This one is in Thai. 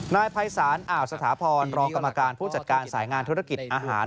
นายภัยศาลอ่าวสถาพรรองกรรมการผู้จัดการสายงานธุรกิจอาหาร